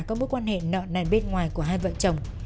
các mối quan hệ nợ này bên ngoài của hai vợ chồng